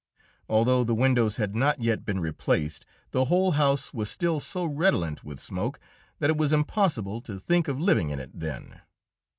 Although the windows had not yet been replaced, the whole house was still so redolent with smoke that it was impossible to think of living in it then.